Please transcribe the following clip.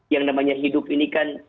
yang namanya hidup ini kan